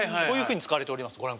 こういうふうに使われております。